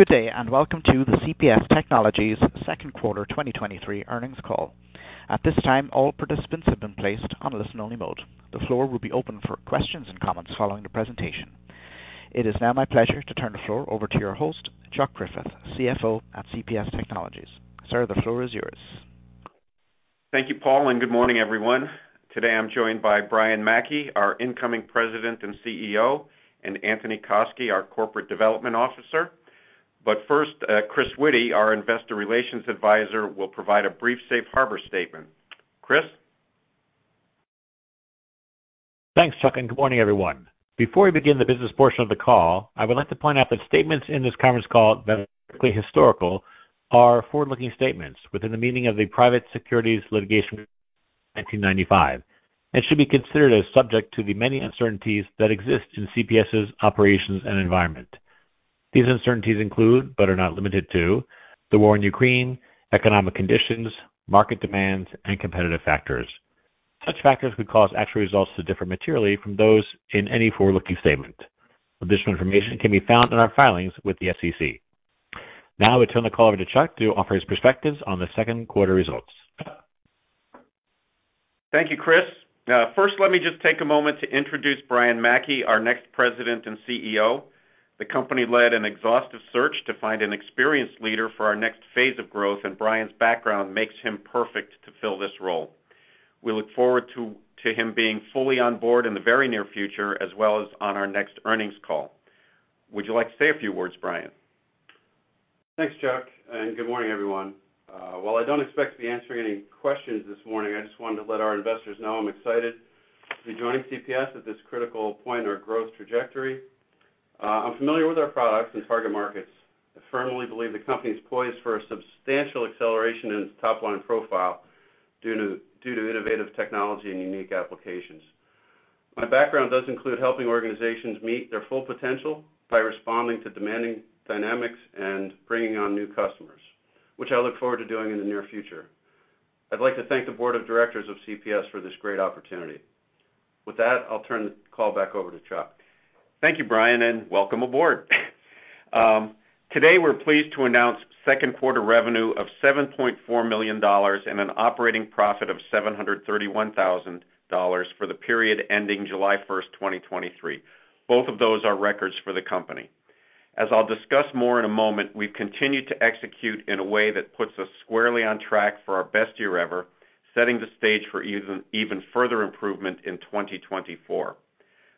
Good day, welcome to the CPS Technologies Q2 2023 Earnings Call. At this time, all participants have been placed on listen-only mode. The floor will be open for questions and comments following the presentation. It is now my pleasure to turn the floor over to your host, Chuck Griffith, CFO at CPS Technologies. Sir, the floor is yours. Thank you, Paul, and good morning, everyone. Today I'm joined by Brian Mackey, our incoming President and CEO, and Anthony Koski, our Corporate Development Officer. First, Chris Witty, our Investor Relations Advisor, will provide a brief safe harbor statement. Chris? Thanks, Chuck. Good morning, everyone. Before we begin the business portion of the call, I would like to point out that statements in this conference call that are historically historical are forward-looking statements within the meaning of the Private Securities Litigation, 1995, and should be considered as subject to the many uncertainties that exist in CPS's operations and environment. These uncertainties include, but are not limited to, the war in Ukraine, economic conditions, market demands, and competitive factors. Such factors could cause actual results to differ materially from those in any forward-looking statement. Additional information can be found in our filings with the SEC. Now I turn the call over to Chuck to offer his perspectives on the Q2 results. Thank you, Chris. First, let me just take a moment to introduce Brian Mackey, our next President and CEO. The company led an exhaustive search to find an experienced leader for our next phase of growth. Brian's background makes him perfect to fill this role. We look forward to him being fully on board in the very near future, as well as on our next earnings call. Would you like to say a few words, Brian? Thanks, Chuck. Good morning, everyone. While I don't expect to be answering any questions this morning, I just wanted to let our investors know I'm excited to be joining CPS at this critical point in our growth trajectory. I'm familiar with our products and target markets. I firmly believe the company is poised for a substantial acceleration in its top-line profile due to, due to innovative technology and unique applications. My background does include helping organizations meet their full potential by responding to demanding dynamics and bringing on new customers, which I look forward to doing in the near future. I'd like to thank the board of directors of CPS for this great opportunity. With that, I'll turn the call back over to Chuck. Thank you, Brian, and welcome aboard. Today, we're pleased to announce Q2 revenue of $7.4 million and an operating profit of $731,000 for the period ending July 1 2023. Both of those are records for the company. As I'll discuss more in a moment, we've continued to execute in a way that puts us squarely on track for our best year ever, setting the stage for even, even further improvement in 2024.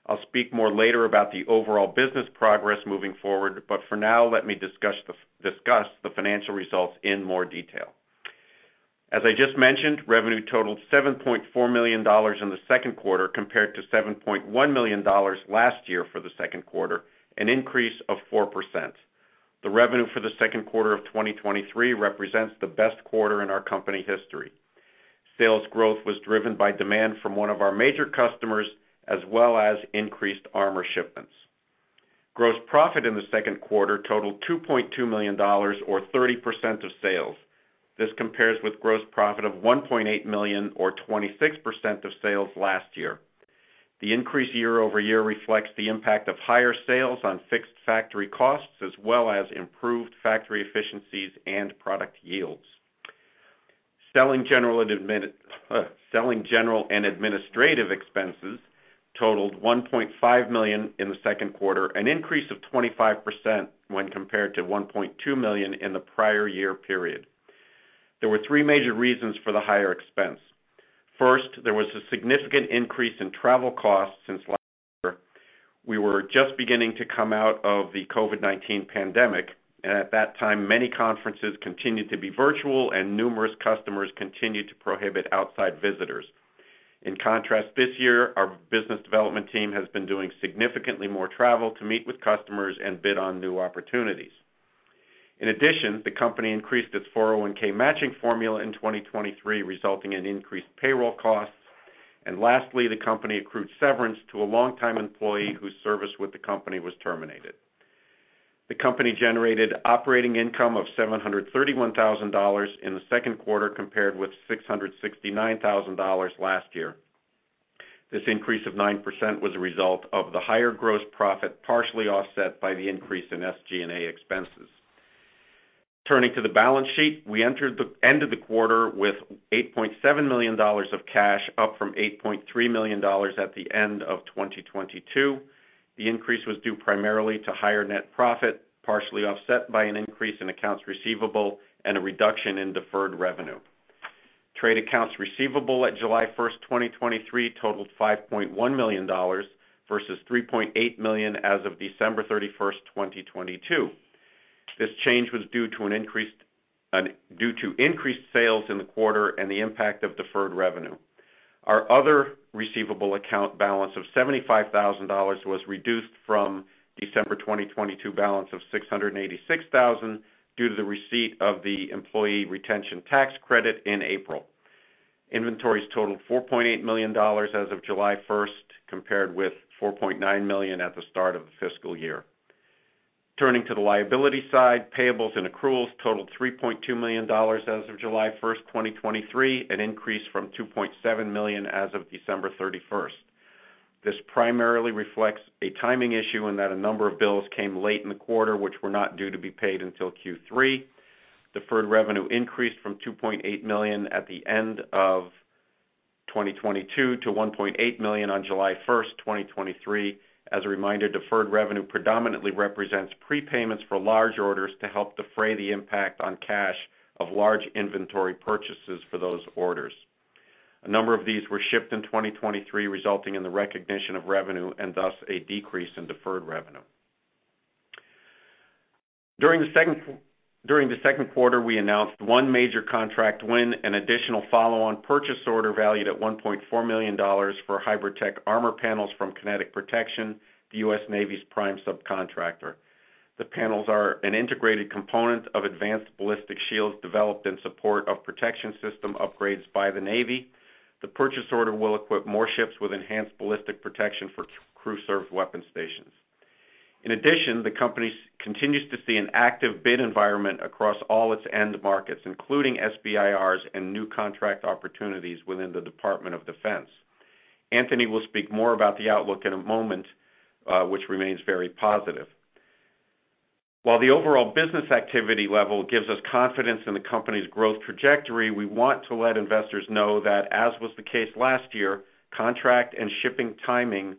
I'll speak more later about the overall business progress moving forward, but for now, let me discuss the financial results in more detail. As I just mentioned, revenue totaled $7.4 million in the Q2, compared to $7.1 million last year for the Q2, an increase of 4%. The revenue for the Q2 of 2023 represents the best quarter in our company history. Sales growth was driven by demand from one of our major customers, as well as increased armor shipments. Gross profit in the Q2 totaled $2.2 million, or 30% of sales. This compares with gross profit of $1.8 million or 26% of sales last year. The increase year-over-year reflects the impact of higher sales on fixed factory costs, as well as improved factory efficiencies and product yields. Selling, general and administrative expenses totaled $1.5 million in the Q2, an increase of 25% when compared to $1.2 million in the prior year period. There were three major reasons for the higher expense. First, there was a significant increase in travel costs since last year. We were just beginning to come out of the COVID-19 pandemic. At that time, many conferences continued to be virtual and numerous customers continued to prohibit outside visitors. In contrast, this year, our business development team has been doing significantly more travel to meet with customers and bid on new opportunities. In addition, the company increased its 401(k) matching formula in 2023, resulting in increased payroll costs. Lastly, the company accrued severance to a longtime employee whose service with the company was terminated. The company generated operating income of $731,000 in the Q2, compared with $669,000 last year. This increase of 9% was a result of the higher gross profit, partially offset by the increase in SG&A expenses. Turning to the balance sheet, we entered the end of the quarter with $8.7 million of cash, up from $8.3 million at the end of 2022. The increase was due primarily to higher net profit, partially offset by an increase in accounts receivable and a reduction in deferred revenue. Trade accounts receivable at July 1st, 2023, totaled $5.1 million versus $3.8 million as of December 31st 2022. This change was due to increased sales in the quarter and the impact of deferred revenue. Our other receivable account balance of $75,000 was reduced from December 2022 balance of $686,000, due to the receipt of the employee retention tax credit in April. Inventories totaled $4.8 million as of July 1, compared with $4.9 million at the start of the fiscal year. Turning to the liability side, payables and accruals totaled $3.2 million as of July 1, 2023, an increase from $2.7 million as of December 31 2022. This primarily reflects a timing issue in that a number of bills came late in the quarter, which were not due to be paid until Q3. Deferred revenue increased from $2.8 million at the end of 2022 to $1.8 million on July 1 2023. As a reminder, deferred revenue predominantly represents prepayments for large orders to help defray the impact on cash of large inventory purchases for those orders. A number of these were shipped in 2023, resulting in the recognition of revenue and thus a decrease in deferred revenue. During the Q2, we announced one major contract win, an additional follow-on purchase order valued at $1.4 million for HybridTech Armor panels from Kinetic Protection, the U.S. Navy's prime subcontractor. The panels are an integrated component of advanced ballistic shields developed in support of protection system upgrades by the Navy. The purchase order will equip more ships with enhanced ballistic protection for crew-served weapon stations. In addition, the company continues to see an active bid environment across all its end markets, including SBIRs and new contract opportunities within the Department of Defense. Anthony will speak more about the outlook in a moment, which remains very positive. While the overall business activity level gives us confidence in the company's growth trajectory, we want to let investors know that, as was the case last year, contract and shipping timing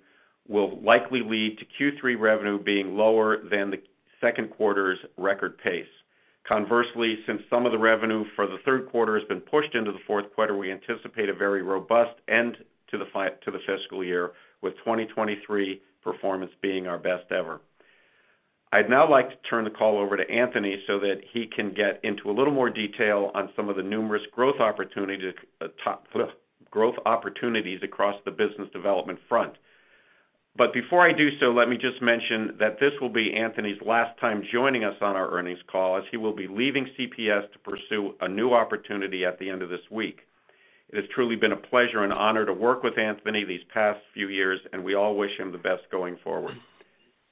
will likely lead to Q3 revenue being lower than the Q2's record pace. Conversely, since some of the revenue for the third quarter has been pushed into the fourth quarter, we anticipate a very robust end to the fiscal year, with 2023 performance being our best ever. I'd now like to turn the call over to Anthony so that he can get into a little more detail on some of the numerous growth opportunities, growth opportunities across the business development front. Before I do so, let me just mention that this will be Anthony's last time joining us on our earnings call, as he will be leaving CPS to pursue a new opportunity at the end of this week. It has truly been a pleasure and honor to work with Anthony these past few years, and we all wish him the best going forward.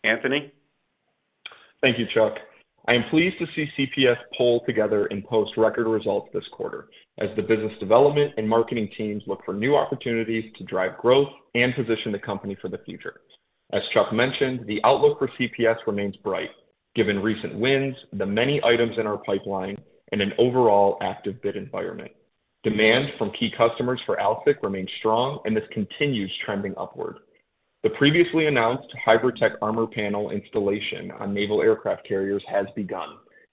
Anthony? Thank you, Chuck. I am pleased to see CPS pull together and post record results this quarter, as the business development and marketing teams look for new opportunities to drive growth and position the company for the future. As Chuck mentioned, the outlook for CPS remains bright, given recent wins, the many items in our pipeline, and an overall active bid environment. Demand from key customers for AlSiC remains strong, and this continues trending upward. The previously announced HybridTech Armor panel installation on naval aircraft carriers has begun,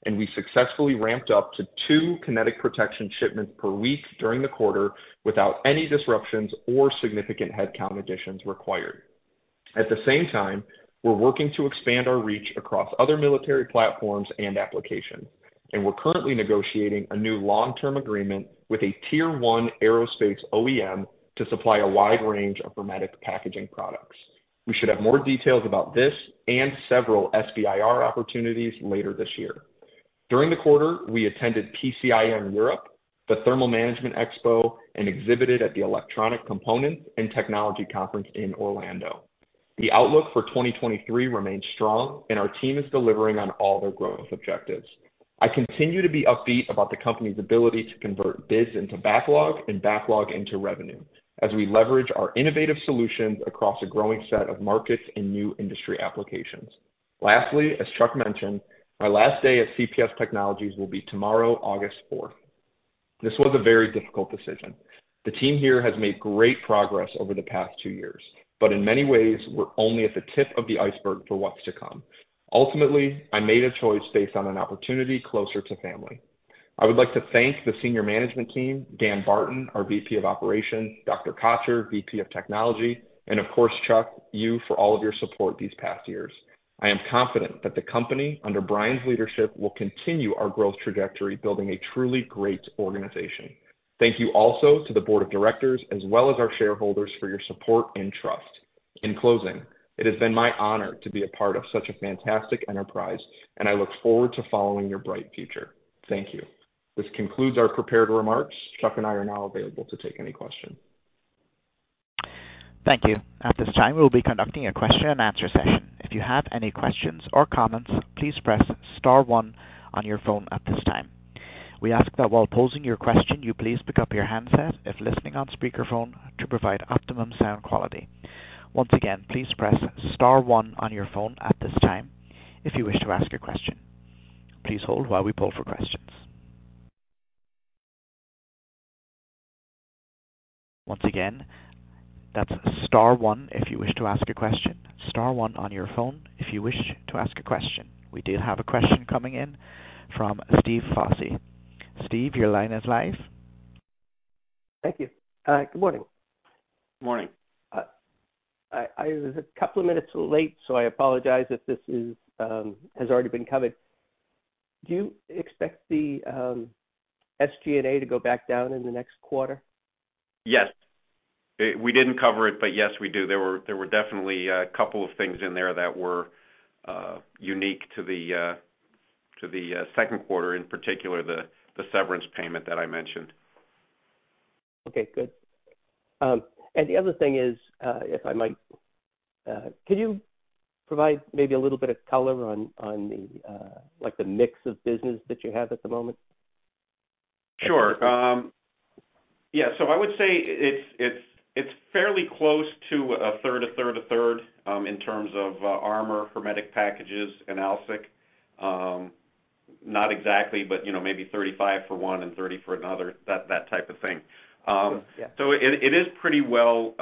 and we successfully ramped up to two Kinetic Protection shipments per week during the quarter without any disruptions or significant headcount additions required. At the same time, we're working to expand our reach across other military platforms and applications, and we're currently negotiating a new long-term agreement with a Tier 1 aerospace OEM to supply a wide range of hermetic packaging products. We should have more details about this and several SBIR opportunities later this year. During the quarter, we attended PCIM Europe, the Thermal Management Expo, and exhibited at the Electronic Components and Technology Conference in Orlando. The outlook for 2023 remains strong, and our team is delivering on all their growth objectives. I continue to be upbeat about the company's ability to convert bids into backlog and backlog into revenue, as we leverage our innovative solutions across a growing set of markets and new industry applications. Lastly, as Chuck mentioned, my last day at CPS Technologies will be tomorrow, August 4th. This was a very difficult decision. The team here has made great progress over the past two years, but in many ways, we're only at the tip of the iceberg for what's to come. Ultimately, I made a choice based on an opportunity closer to family. I would like to thank the senior management team, Dan Barton, our VP of Operations, Dr. Kachur, VP of Technology, and of course, Chuck, you, for all of your support these past years. I am confident that the company, under Brian's leadership, will continue our growth trajectory, building a truly great organization. Thank you also to the board of directors as well as our shareholders for your support and trust. In closing, it has been my honor to be a part of such a fantastic enterprise, and I look forward to following your bright future. Thank you. This concludes our prepared remarks. Chuck and I are now available to take any questions. Thank you. At this time, we will be conducting a question and answer session. If you have any questions or comments, please press star one on your phone at this time. We ask that while posing your question, you please pick up your handset if listening on speakerphone to provide optimum sound quality. Once again, please press star one on your phone at this time if you wish to ask a question. Please hold while we poll for questions. Once again, that's star one if you wish to ask a question. Star one on your phone if you wish to ask a question. We do have a question coming in from Steve Fosse. Steve, your line is live. Thank you. Good morning. Morning. I was a couple of minutes late, so I apologize if this is, has already been covered. Do you expect the SG&A to go back down in the next quarter? Yes. We didn't cover it, but yes, we do. There were, there were definitely a couple of things in there that were unique to the to the Q2, in particular, the, the severance payment that I mentioned. Okay, good. The other thing is, if I might, can you provide maybe a little bit of color on, on the, like the mix of business that you have at the moment? Sure. Yeah, I would say it's, it's, it's fairly close to a third, a third, a third, in terms of armor, hermetic packages, and AlSiC. Not exactly, but, you know, maybe 35 for one and 30 for another, that, that type of thing. It, it is pretty well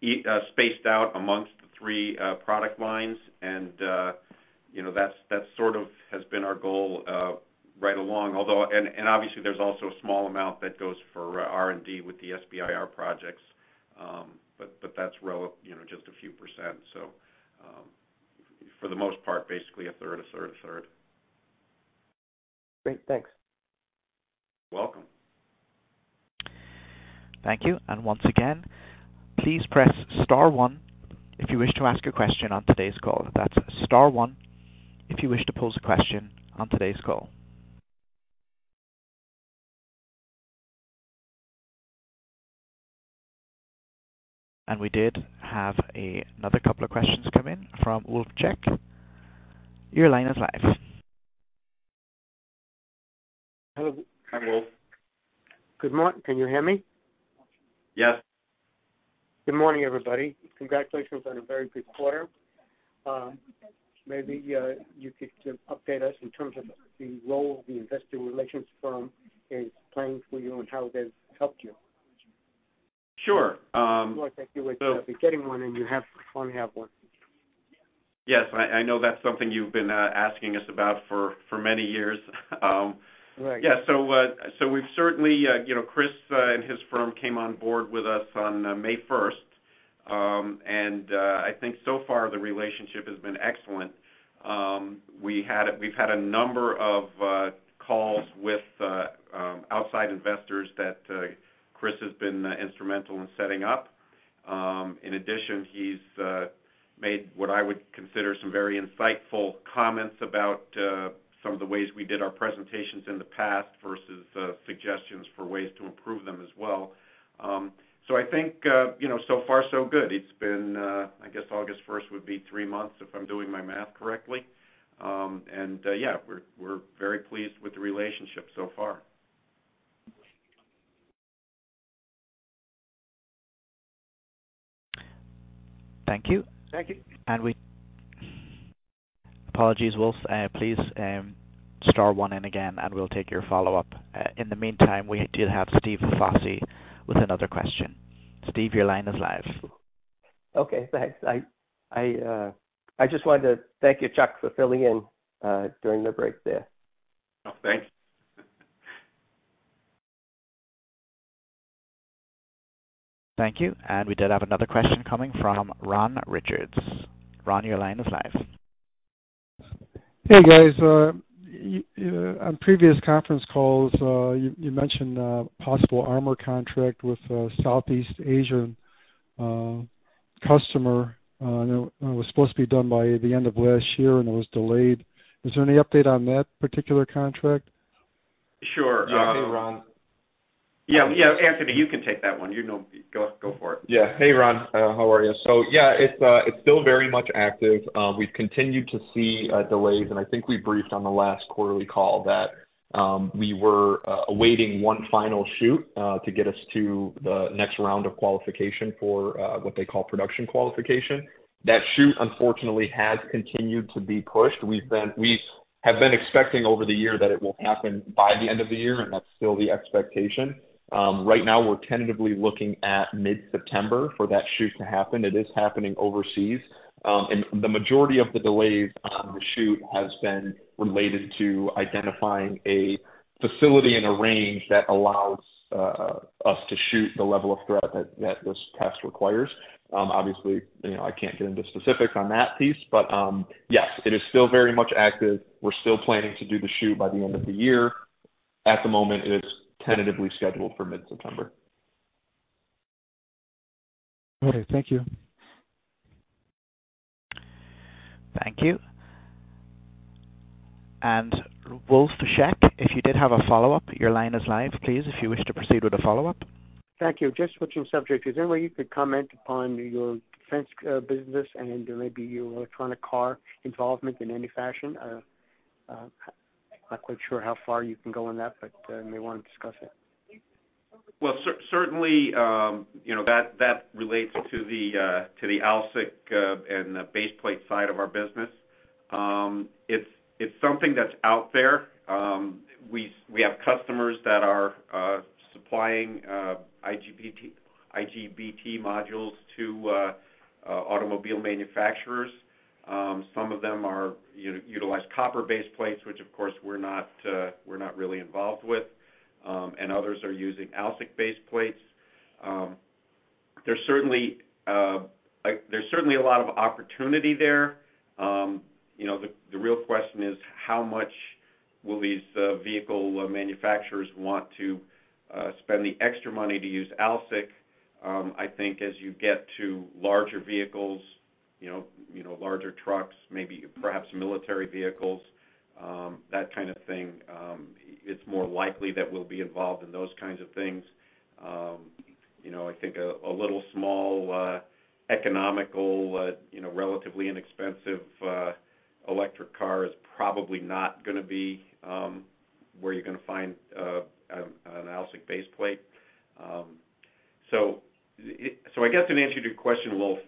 spaced out amongst the three product lines, and, you know, that's, that sort of has been our goal right along. Although, obviously there's also a small amount that goes for R&D with the SBIR projects, but, but that's, you know, just a few %. For the most part, basically, a third, a third, a third. Great. Thanks. Welcome. Thank you. Once again, please press star one if you wish to ask a question on today's call. That's star one, if you wish to pose a question on today's call. We did have another couple of questions come in from Wolf Scheck. Your line is live. Hello. Hi, Wolf. Good morning. Can you hear me? Yes. Good morning, everybody. Congratulations on a very good quarter. Maybe, you could just update us in terms of the role the investor relations firm is playing for you and how they've helped you. Sure. Well, thank you for getting one, and you have only have one. Yes, I, I know that's something you've been asking us about for, for many years. Right. Yeah. We've certainly, you know, Chris, and his firm came on board with us on May first. I think so far, the relationship has been excellent. We've had a number of calls with outside investors that Chris has been instrumental in setting up. In addition, he's made what I would consider some very insightful comments about some of the ways we did our presentations in the past versus suggestions for ways to improve them as well. I think, you know, so far so good. It's been, I guess August first would be three months if I'm doing my math correctly. Yeah, we're very pleased with the relationship so far. Thank you. Thank you. Apologies, Wolf. Please, star one in again, and we'll take your follow-up. In the meantime, we did have Steve Fosse with another question. Steve, your line is live. Okay, thanks. I just wanted to thank you, Chuck, for filling in, during the break there. Oh, thanks. Thank you. We did have another question coming from Ron Richards. Ron, your line is live. Hey, guys. On previous conference calls, you, you mentioned possible armor contract with Southeast Asian customer. It was supposed to be done by the end of last year, and it was delayed. Is there any update on that particular contract? Sure. Yeah. Hey, Ron. Yeah, yeah, Anthony, you can take that one. You know. Go, go for it. Yeah. Hey, Ron, how are you? Yeah, it's still very much active. We've continued to see delays, and I think we briefed on the last quarterly call that we were awaiting one final shoot to get us to the next round of qualification for what they call production qualification. That shoot, unfortunately, has continued to be pushed. We have been expecting over the year that it will happen by the end of the year, and that's still the expectation. Right now, we're tentatively looking at mid-September for that shoot to happen. It is happening overseas. The majority of the delays on the shoot has been related to identifying a facility in a range that allows us to shoot the level of threat that this test requires. Obviously, you know, I can't get into specifics on that piece, but yes, it is still very much active. We're still planning to do the shoot by the end of the year. At the moment, it is tentatively scheduled for mid-September. Okay. Thank you. Thank you. Wolf Scheck, if you did have a follow-up, your line is live. Please, if you wish to proceed with a follow-up. Thank you. Just switching subjects, is there any way you could comment upon your defense business and maybe your electronic car involvement in any fashion? Not quite sure how far you can go on that, but may want to discuss it. Well, certainly, you know, that, that relates to the AlSiC and the baseplate side of our business. It's, it's something that's out there. We, we have customers that are supplying IGBT, IGBT modules to automobile manufacturers. Some of them are, you, utilize copper-based plates, which of course we're not, we're not really involved with, and others are using AlSiC-based plates. There's certainly, like, there's certainly a lot of opportunity there. You know, the, the real question is, how much will these vehicle manufacturers want to spend the extra money to use AlSiC? I think as you get to larger vehicles, you know, you know, larger trucks, maybe perhaps military vehicles, that kind of thing, it's more likely that we'll be involved in those kinds of things. I think a little small, economical, you know, relatively inexpensive electric car is probably not gonna be where you're gonna find an AlSiC baseplate. I guess in answer to your question, Wolf,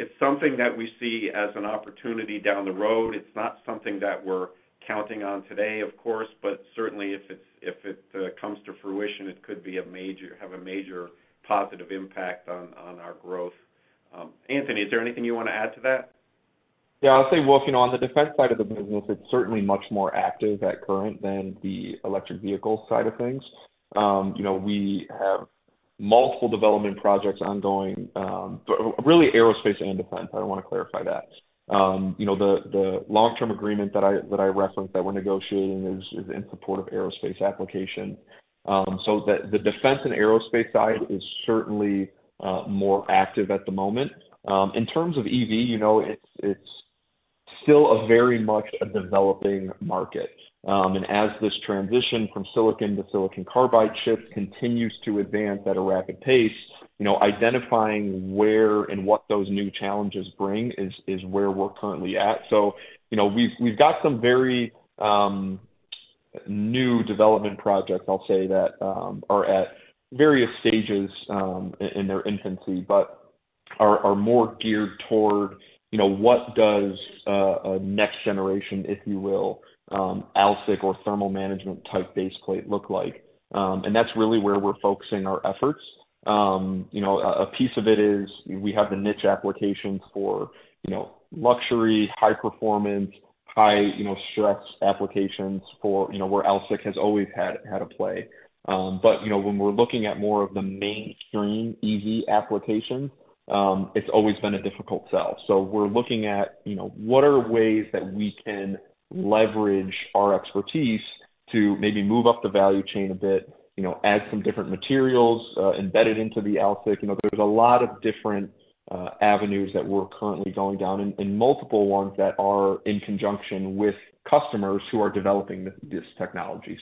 it's something that we see as an opportunity down the road. It's not something that we're counting on today, of course, but certainly if it's, if it comes to fruition, it could have a major positive impact on our growth. Anthony, is there anything you want to add to that? Yeah, I'll say, Wolf, you know, on the defense side of the business, it's certainly much more active at current than the electric vehicle side of things. You know, we have multiple development projects ongoing, but really aerospace and defense, I wanna clarify that. You know, the, the long-term agreement that I, that I referenced that we're negotiating is, is in support of aerospace application. The, the defense and aerospace side is certainly more active at the moment. In terms of EV, you know, it's, it's still a very much a developing market. As this transition from silicon to silicon carbide chips continues to advance at a rapid pace, you know, identifying where and what those new challenges bring is, is where we're currently at. You know, we've, we've got some very, new development projects, I'll say, that are at various stages in, in their infancy, but are, are more geared toward, you know, what does a, a next generation, if you will, AlSiC or thermal management type baseplate look like? That's really where we're focusing our efforts. You know, a, a piece of it is we have the niche applications for, you know, luxury, high performance, high, you know, stress applications for, you know, where AlSiC has always had, had a play. You know, when we're looking at more of the mainstream EV applications, it's always been a difficult sell. We're looking at, you know, what are ways that we can leverage our expertise to maybe move up the value chain a bit, you know, add some different materials embedded into the AlSiC. You know, there's a lot of different avenues that we're currently going down and, and multiple ones that are in conjunction with customers who are developing this technology.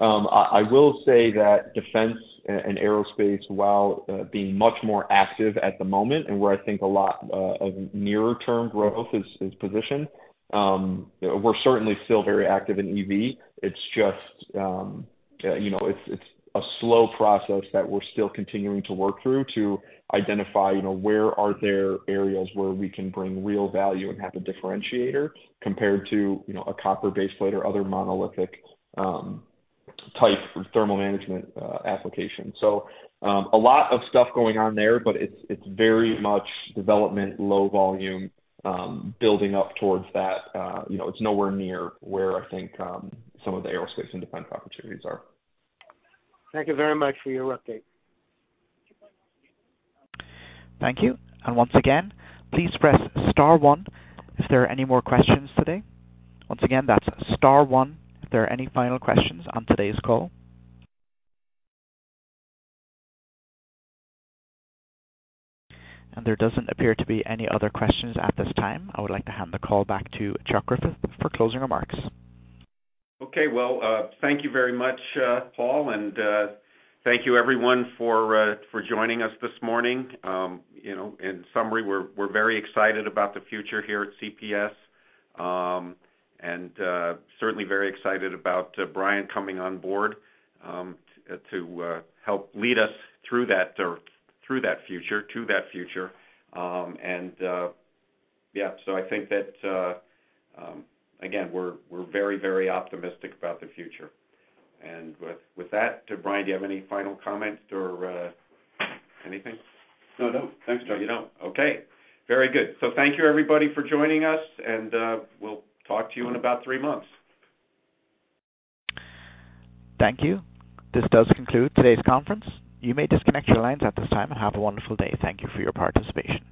I, I will say that defense and aerospace, while being much more active at the moment and where I think a lot of nearer term growth is, is positioned, we're certainly still very active in EV. It's just, you know, it's, it's a slow process that we're still continuing to work through to identify, you know, where are there areas where we can bring real value and have a differentiator compared to, you know, a copper baseplate or other monolithic type thermal management application. A lot of stuff going on there, but it's, it's very much development, low volume, building up towards that. You know, it's nowhere near where I think some of the aerospace and defense opportunities are. Thank you very much for your update. Thank you. Once again, please press star one if there are any more questions today. Once again, that's star one if there are any final questions on today's call. There doesn't appear to be any other questions at this time. I would like to hand the call back to Chuck Griffith for closing remarks. Okay. Well, thank you very much, Paul, and thank you everyone for joining us this morning. You know, in summary, we're very excited about the future here at CPS, and certainly very excited about Brian coming on board to help lead us through that or through that future, to that future. Yeah, so I think that again, we're very, very optimistic about the future. With that, Brian, do you have any final comments or anything? No, I don't. Thanks, Chuck. You don't. Okay, very good. Thank you, everybody, for joining us, and, we'll talk to you in about three months. Thank you. This does conclude today's conference. You may disconnect your lines at this time, and have a wonderful day. Thank you for your participation.